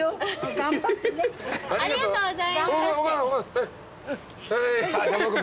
ありがとうございます。